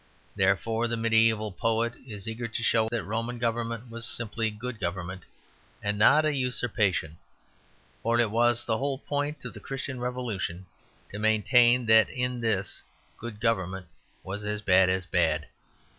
Therefore the mediæval poet is eager to show that Roman government was simply good government, and not a usurpation. For it was the whole point of the Christian revolution to maintain that in this, good government was as bad as bad.